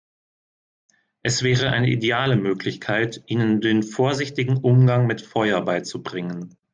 Es wäre eine ideale Möglichkeit, ihnen den vorsichtigen Umgang mit Feuer beizubringen.